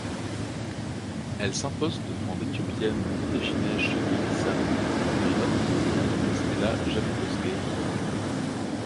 Elle s'impose devant l’Éthiopienne Tejinesh Gebisa et une autre Kényane Stella Jepkosgei Rutto.